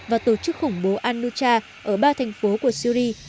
và tổ chức khủng bố al nutra ở ba thành phố của syri